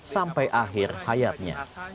sampai akhir hayatnya